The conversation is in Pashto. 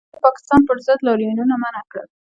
دوی د پاکستان پر ضد لاریونونه منع کړل